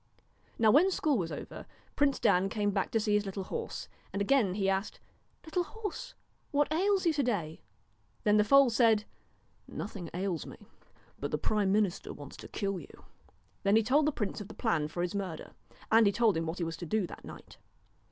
Now when school was over, Prince Dan came back to see his little horse, and again he asked :' Little horse ! what ails you to day ?' Then the foal said :' Nothing ails me ; but the prime minister wants to kill you.' Then he told the prince of the plan for his murder ; and he told him what he was to do that night.